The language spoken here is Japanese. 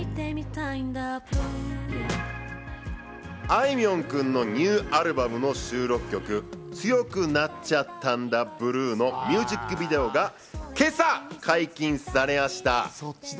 あいみょん君のニューアルバムの収録曲『強くなっちゃったんだ、ブルー』のミュージックビデオが今朝、解禁されやした。